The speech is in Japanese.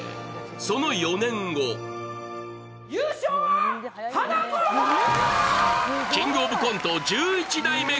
その４年後、キングオブコント、１１代目